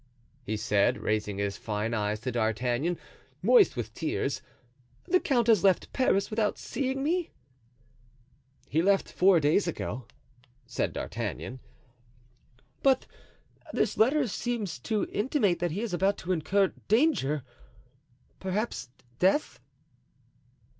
he said, raising his fine eyes to D'Artagnan, moist with tears, "the count has left Paris without seeing me?" "He left four days ago," said D'Artagnan. "But this letter seems to intimate that he is about to incur danger, perhaps death."